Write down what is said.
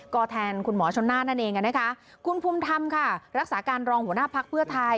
ก็แทนคุณหมอชนหน้านั่นเองนะคะคุณภูมิธรรมค่ะรักษาการรองหัวหน้าภักดิ์เพื่อไทย